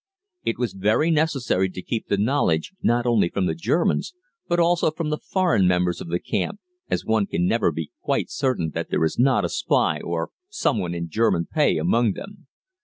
It was very necessary to keep the knowledge, not only from the Germans, but also from the foreign members of the camp, as one can never be quite certain that there is not a spy or some one in German pay among them.